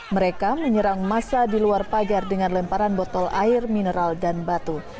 mereka menyerang massa di luar pagar dengan lemparan botol air mineral dan batu